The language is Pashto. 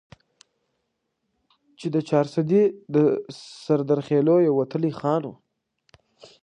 چې د چارسدي د سردرخيلو يو وتلے خان وو ،